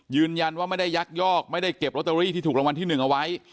ยืนยันว่าไม่ได้ยักยอกไม่ได้เก็บลอตเตอรี่ที่ถูกรางวัลที่๑เอาไว้